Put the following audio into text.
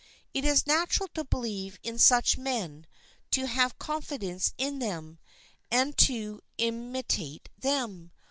It is natural to believe in such men, to have confidence in them, and to imitate them.